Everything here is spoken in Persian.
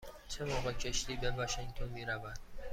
چه موقع کشتی به واشینگتن می رود؟